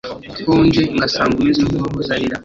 ko nje ngasanga umeze nkuwahoze arira